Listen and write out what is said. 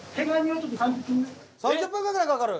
３０分ぐらいかかる！？